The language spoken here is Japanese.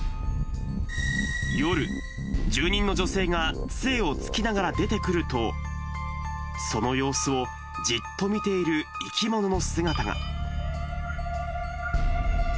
夜、住人の女性がつえをつきながら出てくると、その様子をじっと見ている生き物の姿が。